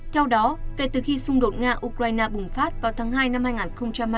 theo đó kể từ khi xung đột nga ukraine bùng phát vào tháng hai năm hai nghìn hai mươi